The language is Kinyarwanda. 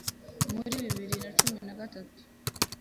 muri bibiri na cumi nagatatu